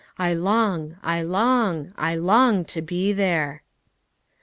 "I long, I long, I long to be there."